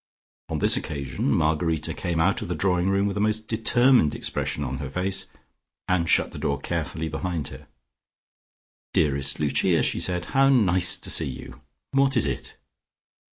On this occasion Margarita came out of the drawing room with a most determined expression on her face, and shut the door carefully behind her. "Dearest Lucia," she said, "how nice to see you! What is it?"